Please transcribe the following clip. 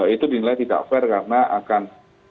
itu dinilai tidak fair karena akan